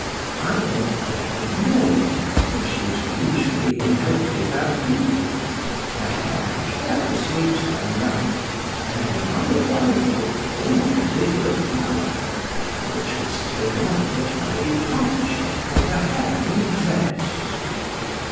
I went there of mornings, when she was usually in her dishabille, her hair carelessly turned up, and, on my arrival, ornamented with a flower, which was taken off at my departure for her hair to be dressed.